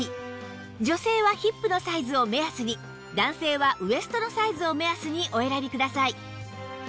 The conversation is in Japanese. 女性はヒップのサイズを目安に男性はウエストのサイズを目安にお選びください